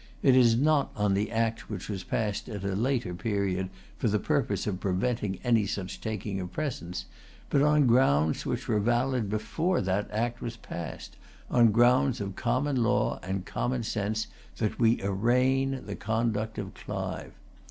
It is not on the Act which was passed at a later period for the purpose of preventing any such taking of presents, but on grounds which were valid before that Act was passed, on grounds of common law and common sense, that we arraign the conduct of Clive.